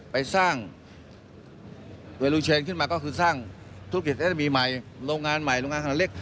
ไปสร้างเวลูเชนขึ้นมาก็คือสร้างธุรกิจรัฐมีใหม่โรงงานใหม่โรงงานขนาดเล็ก